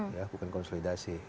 ya bukan konsolidasi